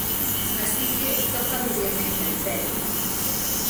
Así que, toca vivir na intemperie.